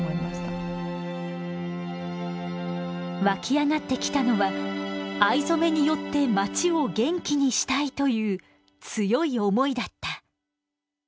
沸き上がってきたのは藍染めによって街を元気にしたいという強い思いだった。